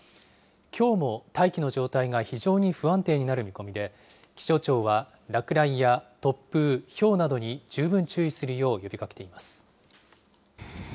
きょうも大気の状態が非常に不安定になる見込みで、気象庁は落雷や突風、ひょうなどに十分注意するよう呼びかけています。